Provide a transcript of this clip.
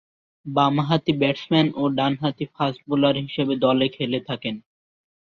বামহাতি ব্যাটসম্যান ও ডানহাতি ফাস্ট বোলার হিসেবে দলে খেলে থাকেন।